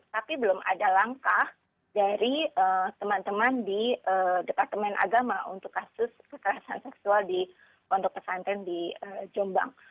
tapi belum ada langkah dari teman teman di departemen agama untuk kasus kekerasan seksual di pondok pesantren di jombang